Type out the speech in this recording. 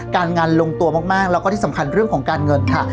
การงานลงตัวมากแล้วก็ที่สำคัญเรื่องของการเงินค่ะ